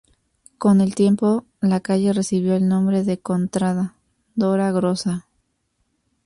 Con el tiempo la calle recibió el nombre de Contrada Dora Grossa.